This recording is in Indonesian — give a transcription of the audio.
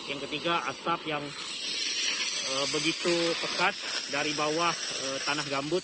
yang ketiga asap yang begitu pekat dari bawah tanah gambut